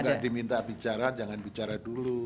kalau enggak diminta bicara jangan bicara dulu